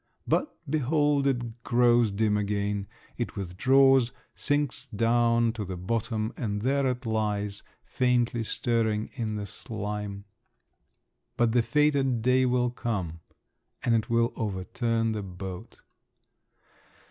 But behold, it grows dim again, it withdraws, sinks down to the bottom, and there it lies, faintly stirring in the slime…. But the fated day will come, and it will overturn the boat.